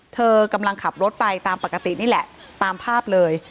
เธอกำลังขับรถไปตามปกตินี่แหละตามภาพเลย